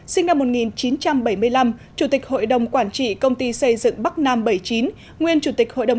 sinh năm một nghìn chín trăm bảy mươi năm chủ tịch hội đồng quản trị công ty xây dựng bắc nam bảy mươi chín nguyên chủ tịch hội đồng